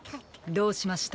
どうしました？